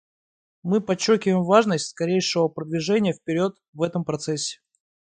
Мы подчеркиваем важность скорейшего продвижения вперед в этом процессе.